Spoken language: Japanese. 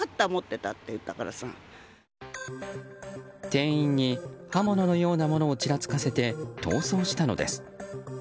店員に刃物のようなものをちらつかせて逃走したのです。